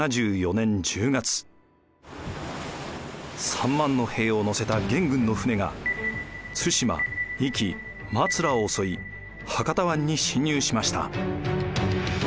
３万の兵を乗せた元軍の船が対馬壱岐松浦を襲い博多湾に侵入しました。